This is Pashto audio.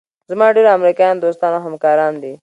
زما ډېر امریکایان دوستان او همکاران دي.